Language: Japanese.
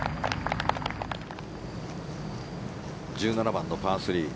１７番のパー３。